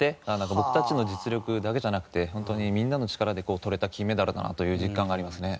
僕たちの実力だけじゃなくて本当にみんなの力でとれた金メダルだなという実感がありますね。